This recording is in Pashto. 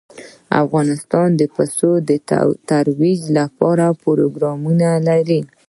افغانستان د پسه د ترویج لپاره پروګرامونه لري.